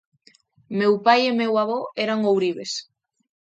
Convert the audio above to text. Meu pai e meu avó eran ourives.